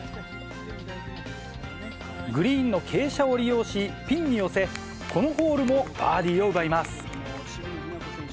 グリーンの傾斜を利用し、ピンに寄せ、このホールもバーディーを奪います。